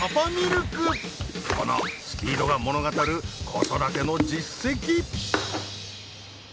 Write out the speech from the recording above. このスピードが物語る子育ての実績！